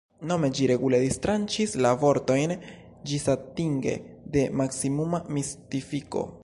Nome ĝi regule distranĉis la vortojn ĝisatinge de maksimuma mistifiko.